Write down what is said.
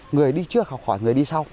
người đi trước học hỏi người đi sau